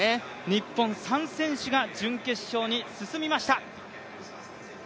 日本３選手が準決勝に進みました。